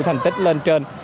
thành tích lên trên